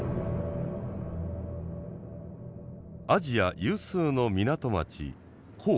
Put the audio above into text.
アジア有数の港町神戸。